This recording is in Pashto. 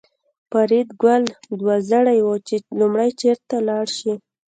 فریدګل دوه زړی و چې لومړی چېرته لاړ شي